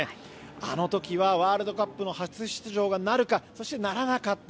あの時はワールドカップの初出場がなるかそしてならなかった。